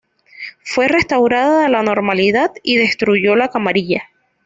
Fue restaurada a la normalidad, y destruyó la Camarilla.